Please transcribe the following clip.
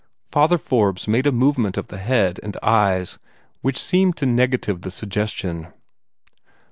Father Forbes made a movement of the head and eyes which seemed to negative the suggestion.